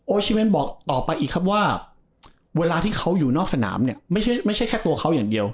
ชิเวนบอกต่อไปอีกครับว่าเวลาที่เขาอยู่นอกสนามเนี่ยไม่ใช่แค่ตัวเขาอย่างเดียว